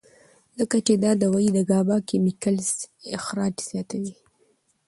ځکه چې دا دوائي د ګابا کېميکلز اخراج زياتوي